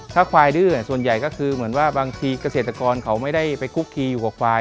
ถ้าควายดื้อส่วนใหญ่ก็คือเหมือนว่าบางทีเกษตรกรเขาไม่ได้ไปคุกคีอยู่กับควาย